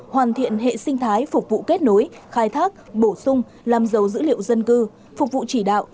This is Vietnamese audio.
hoàn thiện hệ sinh thái phục vụ kết nối khai thác bổ sung làm giàu dữ liệu dân cư phục vụ chỉ đạo